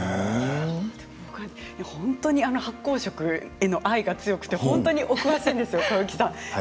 発酵食への愛が強くて本当にお詳しいんです、小雪さん。